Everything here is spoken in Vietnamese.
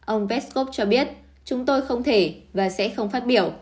ông peskov cho biết chúng tôi không thể và sẽ không phát biểu